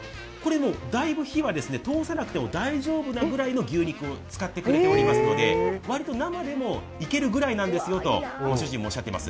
だいぶ火は通さなくても大丈夫なぐらいの牛肉を使ってくれていますので割と生でもいけるぐらいなんですよとご主人もおっしゃってます。